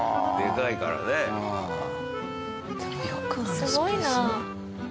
すごいな。